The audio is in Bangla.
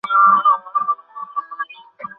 বাবার হাতের ওপর হাত রাখল।